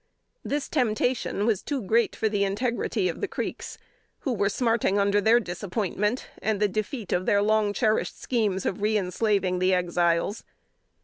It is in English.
] This temptation was too great for the integrity of the Creeks, who were smarting under their disappointment, and the defeat of their long cherished schemes, of reënslaving the Exiles.